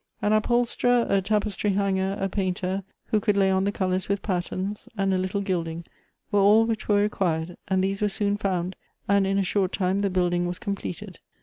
An upholsterer, a tapestry hanger, a painter, who could lay on the colors with patterns, and a little gilding, were all which were required, and these were soon found, and in a short time the building was comple ted.